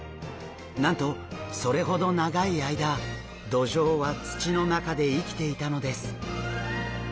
なんとそれほど長い間ドジョウは土の中で生きていたのです。